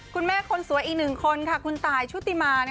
คุณแม่คนสวยอีกหนึ่งคนค่ะคุณตายชุติมา